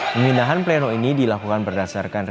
pemindahan pleno ini dilakukan berdasarkan